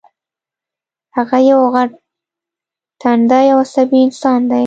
هغه یو غټ ټنډی او عصبي انسان دی